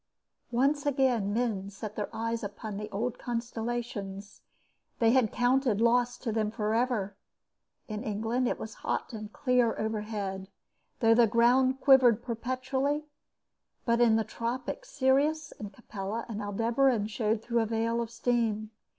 Once again men set their eyes upon the old constellations they had counted lost to them forever. In England it was hot and clear overhead, though the ground quivered perpetually, but in the tropics, Sirius and Capella and Aldebaran showed through a veil of steam.